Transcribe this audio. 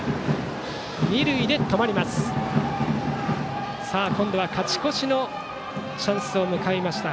二塁で止まりました。